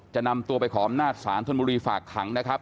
จะนำตัวไปขอมหน้าสารทนบุรีฝากขังนะครับ